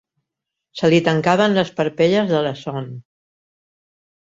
Se li tancaven les parpelles de la son.